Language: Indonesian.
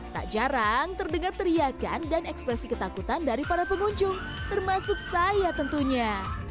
tak jarang terdengar teriakan dan ekspresi ketakutan dari para pengunjung termasuk saya tentunya